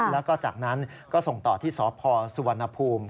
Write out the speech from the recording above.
แล้วก็จากนั้นก็ส่งต่อที่สพสุวรรณภูมิ